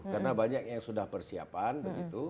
karena banyak yang sudah persiapan begitu